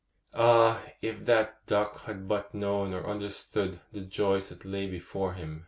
Ah, if that duck had but known or understood the joys that lay before him!